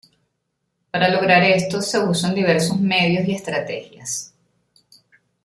Para lograr esto se usan diversos medios y estrategias.